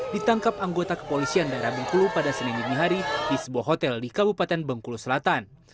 ditangkap anggota kepolisian daerah bengkulu pada senin dinihari di sebuah hotel di kabupaten bengkulu selatan